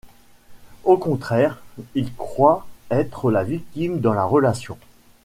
Au contraire, ils croient être la victime dans la relation.